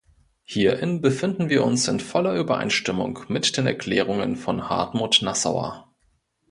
Hierin befinden wir uns in voller Übereinstimmung mit den Erklärungen von Hartmut Nassauer.